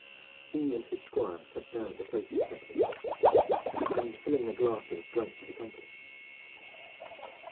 He and his squire sat down at the places set for them, and filling their glasses drank to the company.